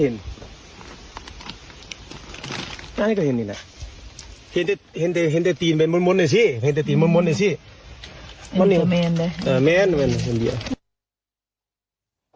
เห็นที่เห็นตัวไวเยอะ